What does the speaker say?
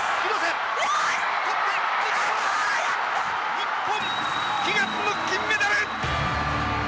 日本、悲願の金メダル！